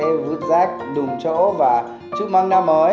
chúc mọi người một ngày tốt đẹp đúng chỗ và chúc mong năm mới